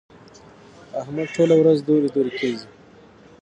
احمد ټوله ورځ دورې دورې کېږي.